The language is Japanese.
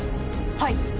はい。